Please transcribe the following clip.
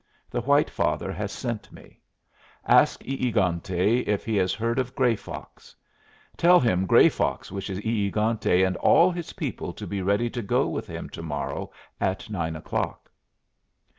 The White Father has sent me. Ask E egante if he has heard of Gray Fox. Tell him Gray Fox wishes E egante and all his people to be ready to go with him to morrow at nine o'clock."